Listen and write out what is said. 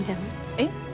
えっ。